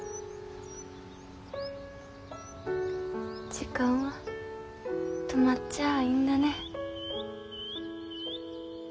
時間は止まっちゃあいんだね。